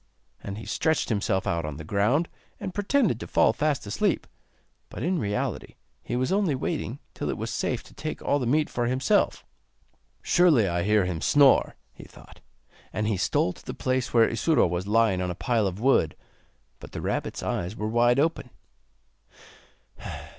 And he stretched himself out on the ground, and pretended to fall fast asleep, but, in reality, he was only waiting till it was safe to take all the meat for himself. 'Surely I hear him snore,' he thought; and he stole to the place where Isuro was lying on a pile of wood, but the rabbit's eyes were wide open.